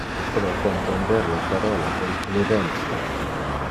Pro comprender le parolas del prudentias.